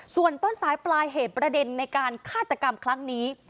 ส่วนต้นสายปลายเหตุประเด็นในการฆาตกรรมครั้งนี้